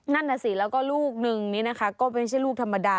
นั่นน่ะสิแล้วก็ลูกนึงนี้นะคะก็ไม่ใช่ลูกธรรมดา